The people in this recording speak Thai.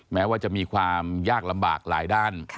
แม้ว่าจะมีความยากลำบากหลายด้าน